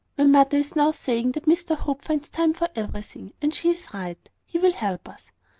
"My mother is now saying that Mr Hope finds time for everything: and she is right. He will help us.